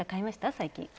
最近。